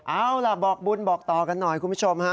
เอาล่ะบอกบุญบอกต่อกันหน่อยคุณผู้ชมฮะ